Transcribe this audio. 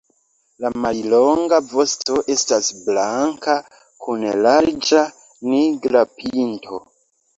La mallonga vosto estas blanka kun larĝa nigra pinto.